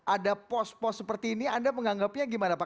ada pos pos seperti ini anda menganggapnya gimana pak